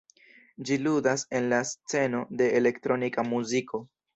Ĝi ludas en la sceno de elektronika muziko.